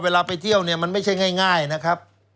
เวลาไปเที่ยวมันไม่ใช่ง่ายนะครับ